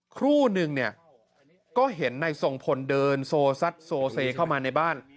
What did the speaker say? ครู่นึงเนี่ยก็เห็นนายทรงพลเดินโซซัดโซเซเข้ามาในบ้าน